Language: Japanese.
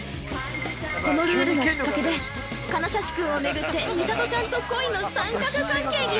◆このルールがきっかけで金指君をめぐってミサトちゃんと恋の三角関係に。